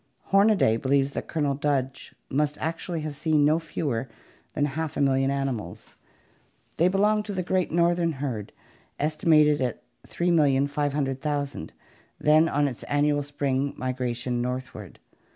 Hornaday believes that Colonel Dodge must actually have seen no fewer than half a million animals. They belonged to the great southern herd, estimated at 3,500,000, then on its annual spring migration northward.